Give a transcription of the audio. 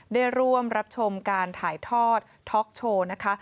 ได้ร่วมรับชมการถ่ายทอดท็อกโชว์นะคะ